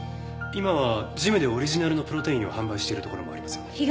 今はジムでオリジナルのプロテインを販売している所もありますよね。